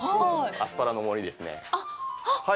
アスパラの森ですね。